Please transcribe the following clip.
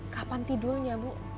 kapan tidurnya bu